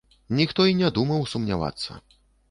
Ніхто і не думаў сумнявацца.